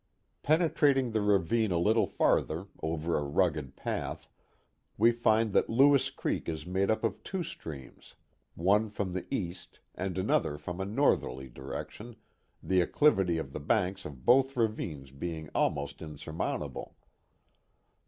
Penetrating the ravine a little farther, over a rugged path, we find that Lewis Creek is made up of two streams, one from the east and another from a northerly direction, the acclivity of the banks of both ravines being almost insurmountable.